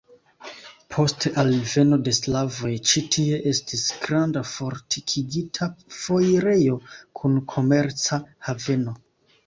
Post alveno de slavoj ĉi tie estis granda fortikigita foirejo kun komerca haveno.